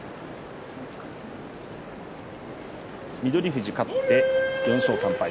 富士勝って４勝３敗。